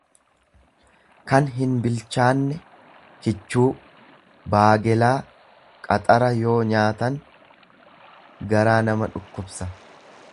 kan hinbilchaanne, kichuu; Baagelaa qaxara yoo nyaatan garaa nama dhukkubsa.